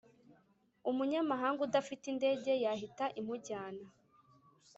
umunyamahanga udafite indege yahita imujyana